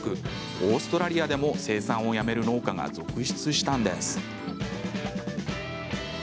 オーストラリアでも、生産をやめる農家が続出したんです。